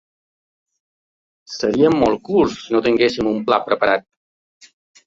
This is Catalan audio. Seríem molt curts si no tinguéssim un pla preparat.